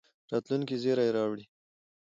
راتلونکي زېری راوړي.